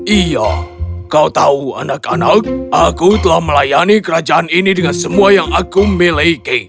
iya kau tahu anak anak aku telah melayani kerajaan ini dengan semua yang aku miliki